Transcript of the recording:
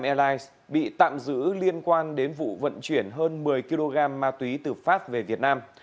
cục hải quan tp hcm bị tạm giữ liên quan đến vụ vận chuyển hơn một mươi kg ma túy từ pháp về việt nam